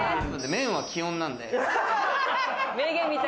麺は気温なんで。